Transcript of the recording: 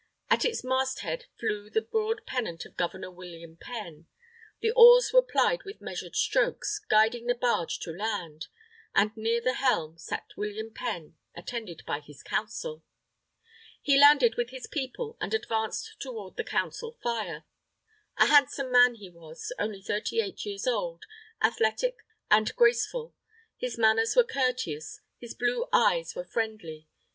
At its masthead flew the broad pennant of Governor William Penn. The oars were plied with measured strokes, guiding the barge to land. And near the helm sat William Penn attended by his council. He landed with his people, and advanced toward the Council fire. A handsome man he was, only thirty eight years old, athletic, and graceful. His manners were courteous, his blue eyes were friendly.